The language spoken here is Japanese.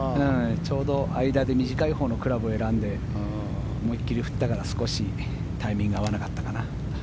ちょうど間で短いほうのクラブを選んで思い切り振ったから、少しタイミングが合わなかったかな。